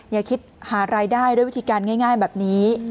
อย่าคิดหารายได้ด้วยวิธีการง่ายแบบนี้